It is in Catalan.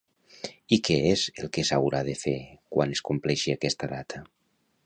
I què és el que s'haurà de fer quan es compleixi aquesta data?